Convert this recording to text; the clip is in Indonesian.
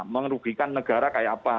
mengerugikan negara kayak apa